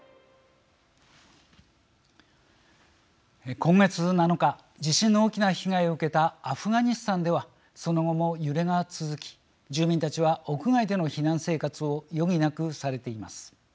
今月７日地震の大きな被害を受けたアフガニスタンではその後も揺れが続き住民たちは屋外での避難生活を余儀なくされています。